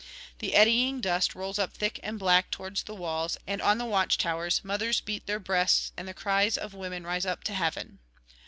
The eddying dust rolls up thick and black towards the walls, and on the watch towers mothers beat their breasts and the cries of women rise up to heaven.